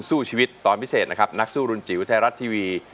สู้ชีวิตตอนพิเศษนะครับนักสู้รุนจิ๋วไทยรัฐทีวี